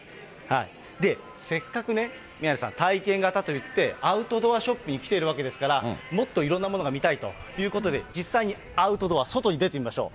せっかくね、宮根さん、体験型といって、アウトドアショップに来ているわけですから、もっといろんなものが見たいということで、実際にアウトドア、外に出てみましょう。